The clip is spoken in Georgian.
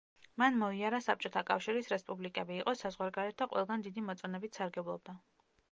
მან მოიარა საბჭოთა კავშირის რესპუბლიკები, იყო საზღვარგარეთ და ყველგან დიდი მოწონებით სარგებლობდა.